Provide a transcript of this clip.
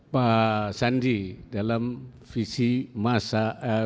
pak sandi dalam visi masa